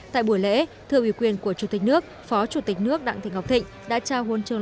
tại buổi lễ thưa ủy quyền của chủ tịch nước phó chủ tịch nước đặng thị ngọc thịnh đã trao hôn trường